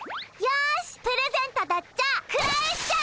よしプレゼントだっちゃ。